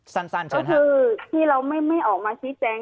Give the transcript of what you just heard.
สั้นเชิญครับก็คือที่เราไม่ออกมาพี่แจง